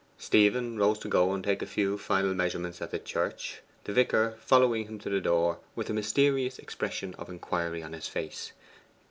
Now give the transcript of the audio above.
Stephen rose to go and take a few final measurements at the church, the vicar following him to the door with a mysterious expression of inquiry on his face.